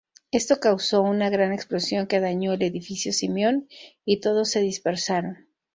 Esto causó una gran explosión que dañó el edificio Simeón, y todos se dispersaron.